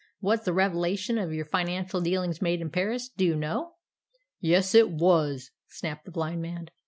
"Was the revelation of your financial dealings made in Paris, do you know?" "Yes, it was," snapped the blind man.